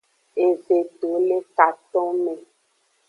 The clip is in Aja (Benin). Eve to le katonme.